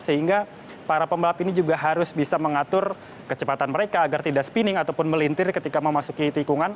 sehingga para pembalap ini juga harus bisa mengatur kecepatan mereka agar tidak spinning ataupun melintir ketika memasuki tikungan